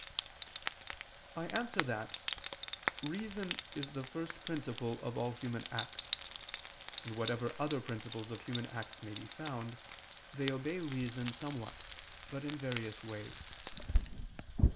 I answer that, Reason is the first principle of all human acts; and whatever other principles of human acts may be found, they obey reason somewhat, but in various ways.